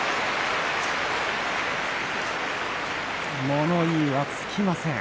物言いはつきません。